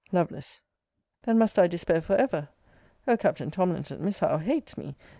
Lovel. Then must I despair for ever! O Captain Tomlinson, Miss Howe hates me!